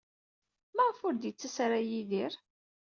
Maɣef ur d-yettas ara Yidir?